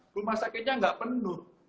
rumah sakitnya enggak penuh